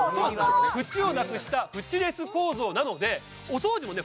縁をなくしたフチレス構造なのでお掃除もね